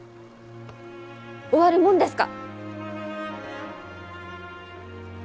終わるもんですか！